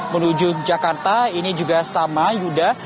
menuju jakarta ini juga sama yuda